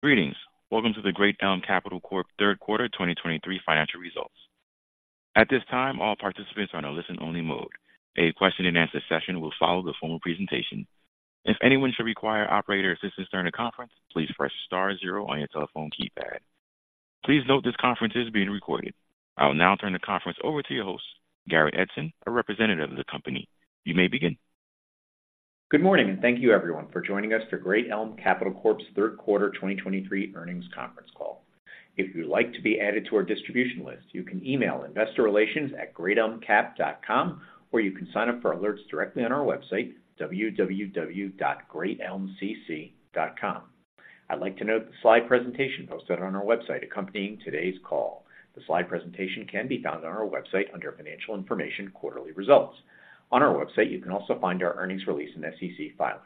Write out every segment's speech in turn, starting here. Greetings. Welcome to the Great Elm Capital Corp Q3 2023 financial results. At this time, all participants are on a listen-only mode. A Q&A session will follow the formal presentation. If anyone should require operator assistance during the conference, please press star zero on your telephone keypad. Please note this conference is being recorded. I will now turn the conference over to your host, Garrett Edson, a representative of the company. You may begin. Good morning, and thank you everyone for joining us for Great Elm Capital Corp's Q3 2023 earnings conference call. If you'd like to be added to our distribution list, you can email investorrelations@greatelmcap.com, or you can sign up for alerts directly on our website, www.greatelmcc.com. I'd like to note the slide presentation posted on our website accompanying today's call. The slide presentation can be found on our website under Financial Information, Quarterly Results. On our website, you can also find our earnings release and SEC filings.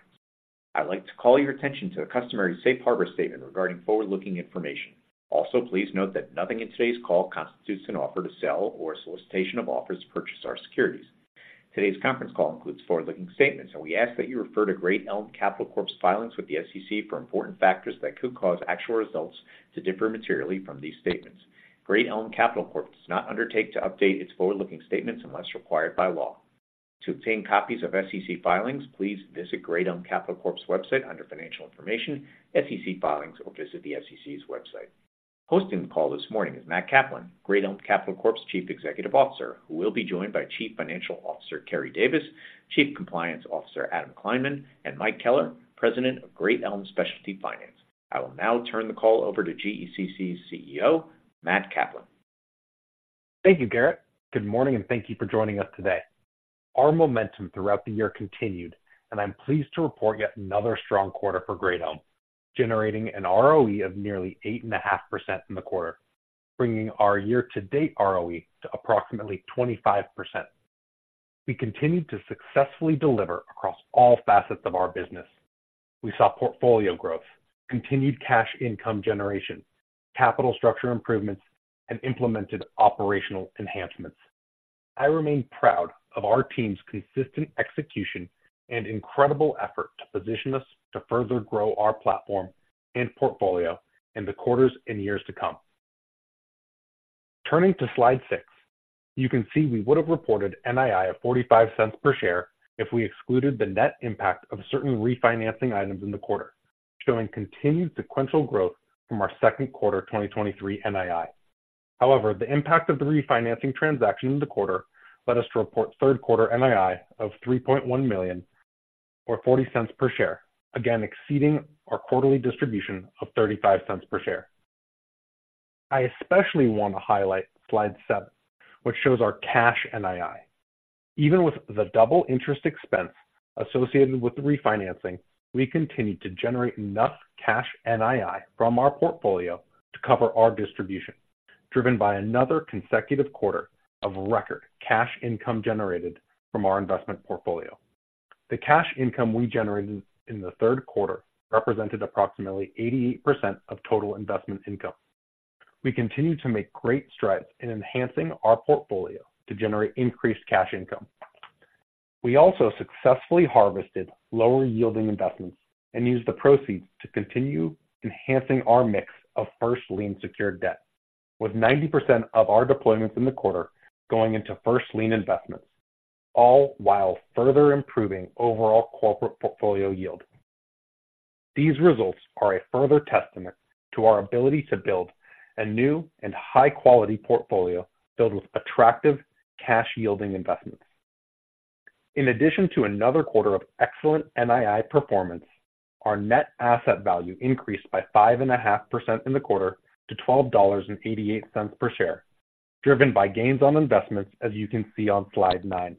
I'd like to call your attention to the customary safe harbor statement regarding forward-looking information. Also, please note that nothing in today's call constitutes an offer to sell or a solicitation of offers to purchase our securities. Today's conference call includes forward-looking statements, and we ask that you refer to Great Elm Capital Corp's filings with the SEC for important factors that could cause actual results to differ materially from these statements. Great Elm Capital Corp does not undertake to update its forward-looking statements unless required by law. To obtain copies of SEC filings, please visit Great Elm Capital Corp's website under Financial Information, SEC Filings, or visit the SEC's website. Hosting the call this morning is Matt Kaplan, Great Elm Capital Corp's Chief Executive Officer, who will be joined by Chief Financial Officer, Keri Davis, Chief Compliance Officer, Adam Kleinman, and Mike Keller, President of Great Elm Specialty Finance. I will now turn the call over to GECC's CEO, Matt Kaplan. Thank you, Garrett. Good morning, and thank you for joining us today. Our momentum throughout the year continued, and I'm pleased to report yet another strong quarter for Great Elm, generating an ROE of nearly 8.5% in the quarter, bringing our year-to-date ROE to approximately 25%. We continued to successfully deliver across all facets of our business. We saw portfolio growth, continued cash income generation, capital structure improvements, and implemented operational enhancements. I remain proud of our team's consistent execution and incredible effort to position us to further grow our platform and portfolio in the quarters and years to come. Turning to slide 6, you can see we would have reported NII of $0.45 per share if we excluded the net impact of certain refinancing items in the quarter, showing continued sequential growth from our Q2 2023 NII. However, the impact of the refinancing transaction in the quarter led us to report Q3 NII of $3.1 million, or $0.40 per share, again exceeding our quarterly distribution of $0.35 per share. I especially want to highlight slide 7, which shows our cash NII. Even with the double interest expense associated with the refinancing, we continued to generate enough cash NII from our portfolio to cover our distribution, driven by another consecutive quarter of record cash income generated from our investment portfolio. The cash income we generated in the third quarter represented approximately 88% of total investment income. We continue to make great strides in enhancing our portfolio to generate increased cash income. We also successfully harvested lower-yielding investments and used the proceeds to continue enhancing our mix of first lien secured debt, with 90% of our deployments in the quarter going into first lien investments, all while further improving overall corporate portfolio yield. These results are a further testament to our ability to build a new and high-quality portfolio filled with attractive cash-yielding investments. In addition to another quarter of excellent NII performance, our net asset value increased by 5.5% in the quarter to $12.88 per share, driven by gains on investments, as you can see on slide nine.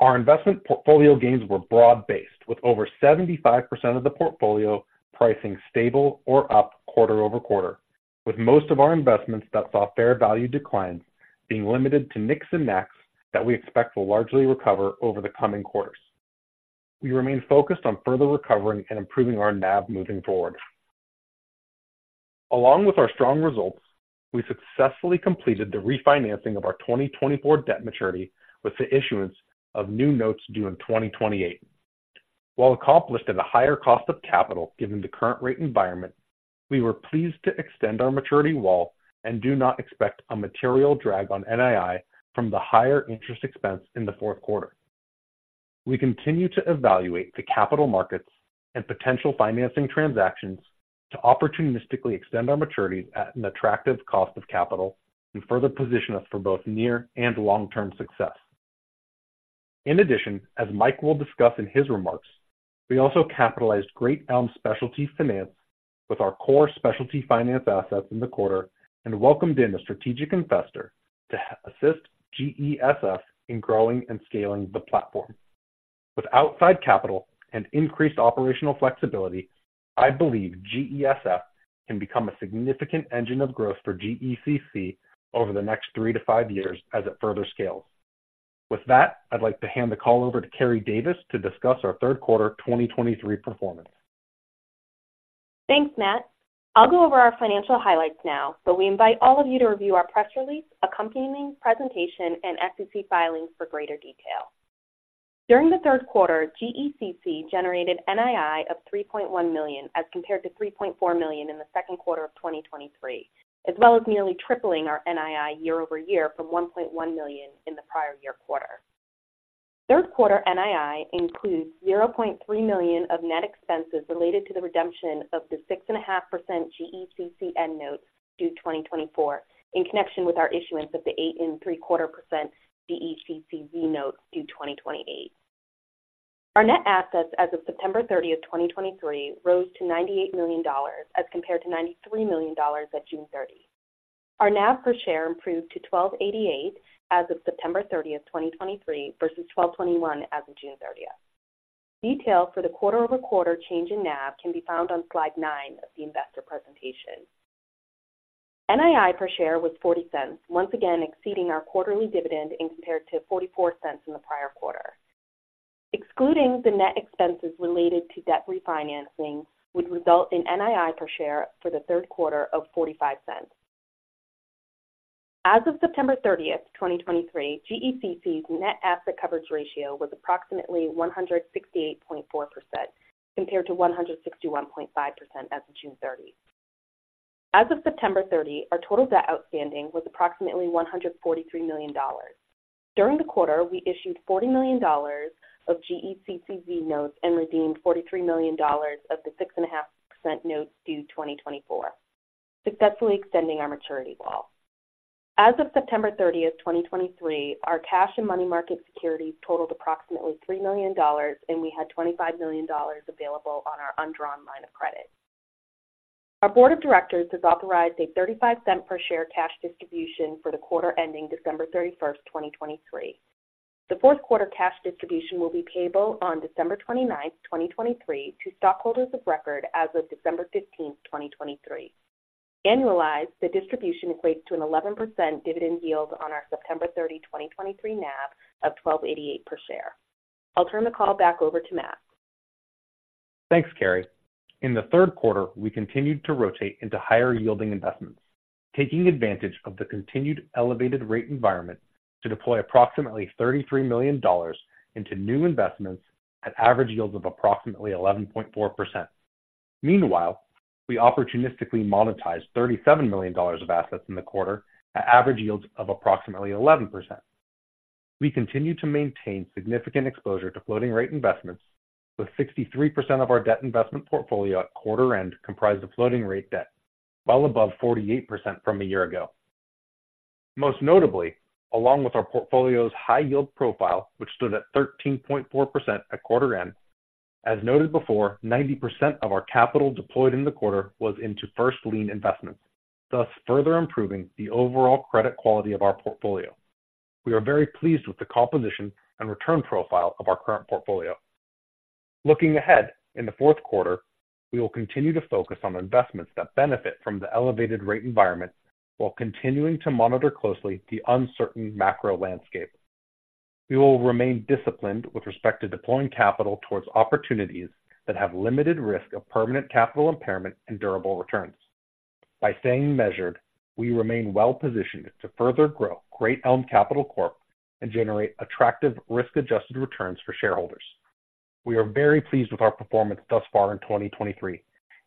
Our investment portfolio gains were broad-based, with over 75% of the portfolio pricing stable or up quarter-over-quarter, with most of our investments that saw fair value declines being limited to mix and max that we expect will largely recover over the coming quarters. We remain focused on further recovering and improving our NAV moving forward. Along with our strong results, we successfully completed the refinancing of our 2024 debt maturity with the issuance of new notes due in 2028. While accomplished at a higher cost of capital, given the current rate environment, we were pleased to extend our maturity wall and do not expect a material drag on NII from the higher interest expense in the Q4. We continue to evaluate the capital markets and potential financing transactions to opportunistically extend our maturities at an attractive cost of capital and further position us for both near and long-term success. In addition, as Mike will discuss in his remarks, we also capitalized Great Elm Specialty Finance with our core specialty finance assets in the quarter and welcomed in a strategic investor to assist GESF in growing and scaling the platform. With outside capital and increased operational flexibility, I believe GESF can become a significant engine of growth for GECC over the next three to five years as it further scales. With that, I'd like to hand the call over to Keri Davis to discuss our Q3 2023 performance. Thanks, Matt. I'll go over our financial highlights now, but we invite all of you to review our press release, accompanying presentation, and SEC filings for greater detail. During the Q3, GECC generated NII of $3.1 million, as compared to $3.4 million in the Q3 of 2023, as well as nearly tripling our NII year-over-year from $1.1 million in the prior year quarter. Q3 NII includes $0.3 million of net expenses related to the redemption of the 6.5% GECC N notes due 2024, in connection with our issuance of the 8.75% GECC Z notes due 2028. Our net assets as of 30 September 2023, rose to $98 million, as compared to $93 million at 30 June 2023. Our NAV per share improved to $12.88 as of September 30, 2023, versus $12.21 as of 30 June 2023. Details for the quarter-over-quarter change in NAV can be found on slide 9 of the investor presentation. NII per share was $0.40, once again exceeding our quarterly dividend compared to $0.44 in the prior quarter. Excluding the net expenses related to debt refinancing would result in NII per share for the Q3 of $0.45. As of 30 September 2023, GECC's net asset coverage ratio was approximately 168.4%, compared to 161.5% as of 30 June 2023. As of 30 September 2023 our total debt outstanding was approximately $143 million. During the quarter, we issued $40 million of GECC Z notes and redeemed $43 million of the 6.5% notes due 2024, successfully extending our maturity wall. As of 30 September 2023, our cash and money market securities totaled approximately $3 million, and we had $25 million available on our undrawn line of credit. Our board of directors has authorized a $0.35 per share cash distribution for the quarter ending 31 December 2023. The Q4 cash distribution will be payable on 29 December 2023, to stockholders of record as of 15 December 2023. Annualized, the distribution equates to an 11% dividend yield on our 30 September 2023 NAV of $12.88 per share. I'll turn the call back over to Matt. Thanks, Keri. In the Q3, we continued to rotate into higher-yielding investments, taking advantage of the continued elevated rate environment to deploy approximately $33 million into new investments at average yields of approximately 11.4%. Meanwhile, we opportunistically monetized $37 million of assets in the quarter at average yields of approximately 11%. We continue to maintain significant exposure to floating rate investments, with 63% of our debt investment portfolio at quarter end comprised of floating rate debt, well above 48% from a year ago. Most notably, along with our portfolio's high yield profile, which stood at 13.4% at quarter end, as noted before, 90% of our capital deployed in the quarter was into first lien investments, thus further improving the overall credit quality of our portfolio. We are very pleased with the composition and return profile of our current portfolio. Looking ahead, in the Q4, we will continue to focus on investments that benefit from the elevated rate environment while continuing to monitor closely the uncertain macro landscape. We will remain disciplined with respect to deploying capital towards opportunities that have limited risk of permanent capital impairment and durable returns. By staying measured, we remain well positioned to further grow Great Elm Capital Corp and generate attractive risk-adjusted returns for shareholders. We are very pleased with our performance thus far in 2023,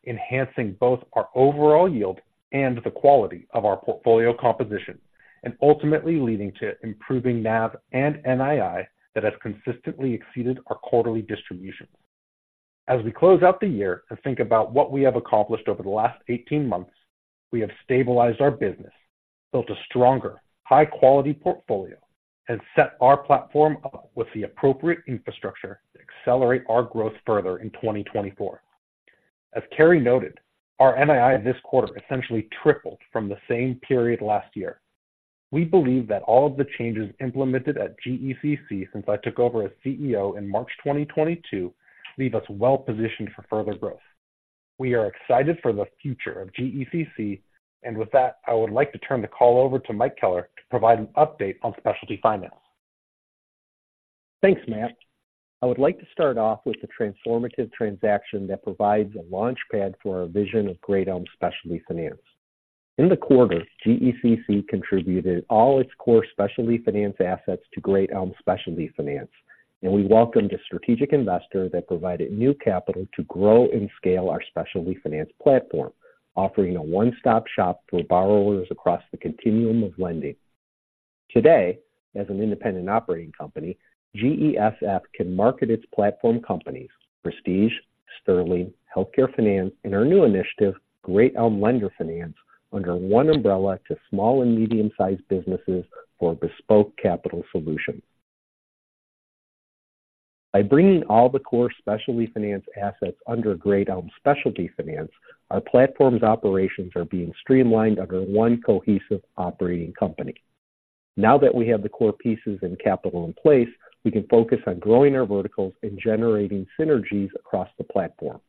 enhancing both our overall yield and the quality of our portfolio composition, and ultimately leading to improving NAV and NII that has consistently exceeded our quarterly distributions. As we close out the year and think about what we have accomplished over the last 18 months, we have stabilized our business, built a stronger, high-quality portfolio, and set our platform up with the appropriate infrastructure to accelerate our growth further in 2024. As Keri noted, our NII this quarter essentially tripled from the same period last year. We believe that all of the changes implemented at GECC since I took over as CEO in March 2022, leave us well positioned for further growth. We are excited for the future of GECC, and with that, I would like to turn the call over to Mike Keller to provide an update on specialty finance. Thanks, Matt. I would like to start off with the transformative transaction that provides a launchpad for our vision of Great Elm Specialty Finance. In the quarter, GECC contributed all its core specialty finance assets to Great Elm Specialty Finance, and we welcomed a strategic investor that provided new capital to grow and scale our specialty finance platform, offering a one-stop shop for borrowers across the continuum of lending. Today, as an independent operating company, GESF can market its platform companies, Prestige, Sterling, Healthcare Finance, and our new initiative, Great Elm Lender Finance, under one umbrella to small and medium-sized businesses for bespoke capital solutions. By bringing all the core specialty finance assets under Great Elm Specialty Finance, our platform's operations are being streamlined under one cohesive operating company. Now that we have the core pieces and capital in place, we can focus on growing our verticals and generating synergies across the platform.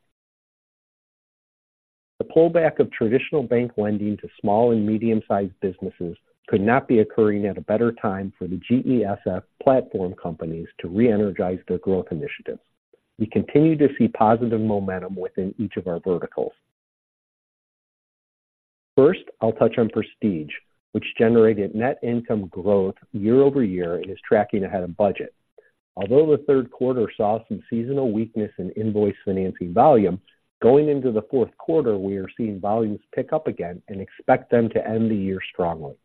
The pullback of traditional bank lending to small and medium-sized businesses could not be occurring at a better time for the GESF platform companies to re-energize their growth initiatives. We continue to see positive momentum within each of our verticals. First, I'll touch on Prestige, which generated net income growth year-over-year and is tracking ahead of budget. Although the Q3 saw some seasonal weakness in invoice financing volume, going into the Q4, we are seeing volumes pick up again and expect them to end the year strongly.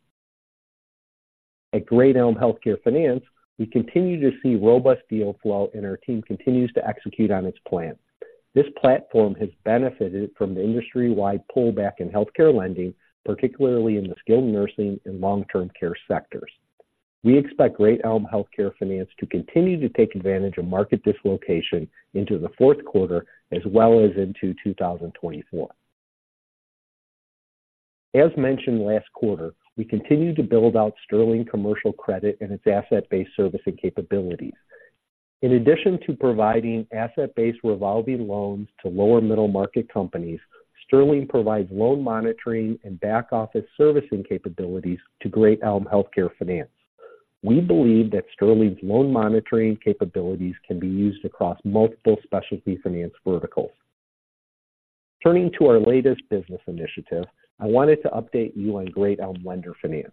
At Great Elm Healthcare Finance, we continue to see robust deal flow, and our team continues to execute on its plan. This platform has benefited from the industry-wide pullback in healthcare lending, particularly in the skilled nursing and long-term care sectors. We expect Great Elm Healthcare Finance to continue to take advantage of market dislocation into the Q4 as well as into 2024. As mentioned last quarter, we continue to build out Sterling Commercial Credit and its asset-based servicing capabilities. In addition to providing asset-based revolving loans to lower middle-market companies, Sterling provides loan monitoring and back-office servicing capabilities to Great Elm Healthcare Finance. We believe that Sterling's loan monitoring capabilities can be used across multiple specialty finance verticals. Turning to our latest business initiative, I wanted to update you on Great Elm Lender Finance.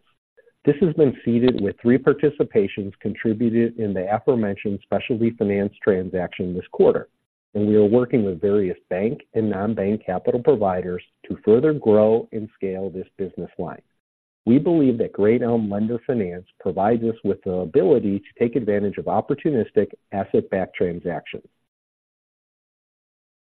This has been seeded with three participations contributed in the aforementioned specialty finance transaction this quarter, and we are working with various bank and non-bank capital providers to further grow and scale this business line. We believe that Great Elm Lender Finance provides us with the ability to take advantage of opportunistic asset-backed transactions.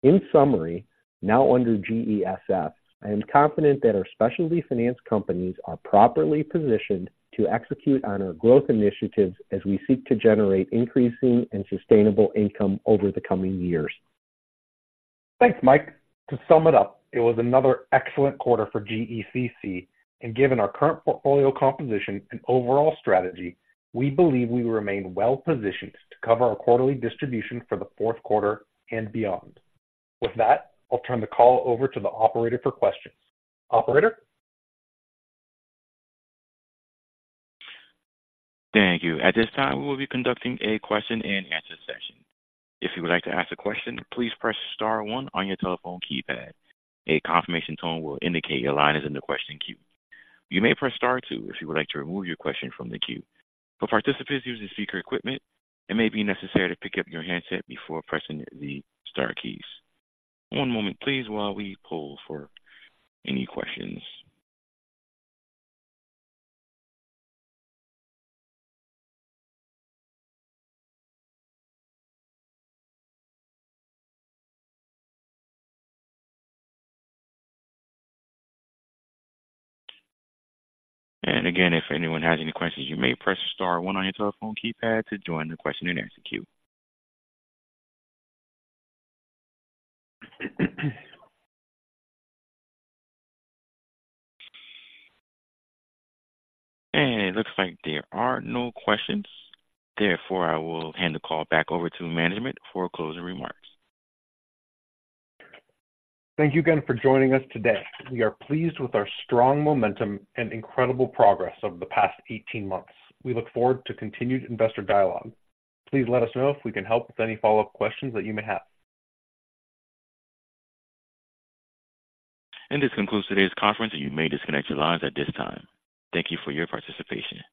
In summary, now under GESF, I am confident that our specialty finance companies are properly positioned to execute on our growth initiatives as we seek to generate increasing and sustainable income over the coming years. Thanks, Mike. To sum it up, it was another excellent quarter for GECC, and given our current portfolio composition and overall strategy, we believe we remain well positioned to cover our quarterly distribution for the Q4 and beyond. With that, I'll turn the call over to the operator for questions. Operator? Thank you. At this time, we will be conducting a Q&A session. If you would like to ask a question, please press star one on your telephone keypad. A confirmation tone will indicate your line is in the question queue. You may press star two if you would like to remove your question from the queue. For participants using speaker equipment, it may be necessary to pick up your handset before pressing the star keys. One moment please while we poll for any questions. And again, if anyone has any questions, you may press star one on your telephone keypad to join the question-and-answer queue. And it looks like there are no questions. Therefore, I will hand the call back over to management for closing remarks. Thank you again for joining us today. We are pleased with our strong momentum and incredible progress over the past eighteen months. We look forward to continued investor dialogue. Please let us know if we can help with any follow-up questions that you may have. This concludes today's conference, and you may disconnect your lines at this time. Thank you for your participation.